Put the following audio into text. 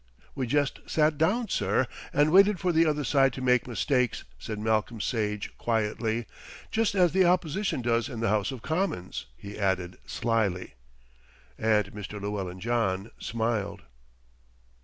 "We just sat down, sir, and waited for the other side to make mistakes," said Malcolm Sage quietly, "just as the Opposition does in the House of Commons," he added slyly. And Mr. Llewellyn John smiled.